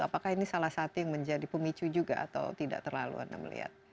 apakah ini salah satu yang menjadi pemicu juga atau tidak terlalu anda melihat